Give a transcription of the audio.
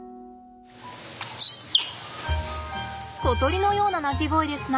小鳥のような鳴き声ですな。